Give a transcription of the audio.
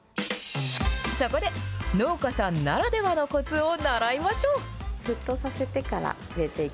そこで、農家さんならではのこつを習いましょう。